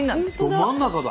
ど真ん中だ。